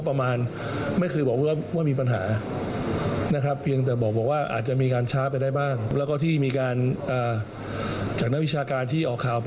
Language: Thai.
๒๓พันบาทไม่ใช่เป็นครั้งเดียวครับยืนยันครับ